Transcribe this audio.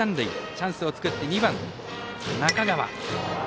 チャンスを作って２番、中川。